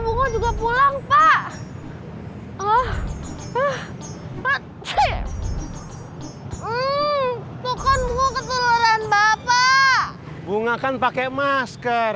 bunga juga pulang pak allah ah cip tuh kan gua ketuluran bapak bunga kan pakai masker